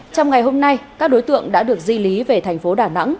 trong ngày hôm nay các đối tượng đã được di lý về tp đà nẵng